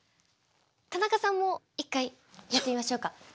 田中さんも一回やってみましょうか。